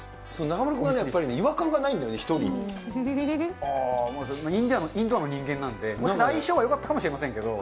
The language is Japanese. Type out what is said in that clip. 中丸君はやっぱり違和感がなインドアの人間なんで、相性はよかったかもしれませんけど。